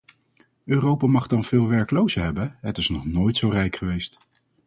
Europa mag dan veel werklozen hebben, het is nog nooit zo rijk geweest.